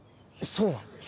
そうなん？